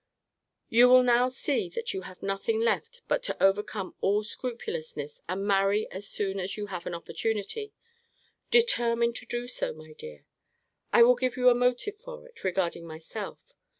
You will now see that you have nothing left but to overcome all scrupulousness, and marry as son as you have an opportunity. Determine to do so, my dear. I will give you a motive for it, regarding myself.